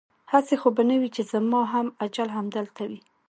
هسې خو به نه وي چې زما هم اجل همدلته وي؟